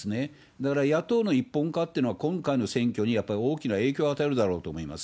だから、野党の一本化というのは、今回の選挙にやっぱり大きな影響を与えるだろうと思います。